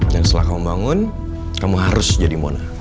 dan setelah kamu bangun kamu harus jadi mona